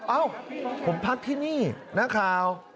เอ้าผมพักที่นี่นักข่าว